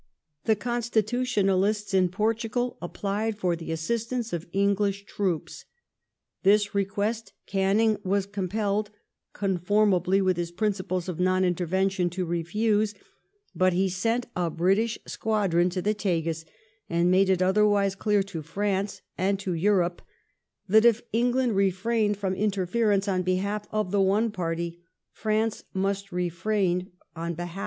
The Constitutionalists in Portugal applied for the assistance of English troops. This request Canning was compelled, conformably with his principles of non intervention, to refuse. But he sent a British squadron to the Tagus, and made it otherwise clear to France and to Europe that if England refrained from in terference on behalf of the one party, France must refrain on behalf ^ It is unravelled, as far as may be, by Mr. Edmundson ap.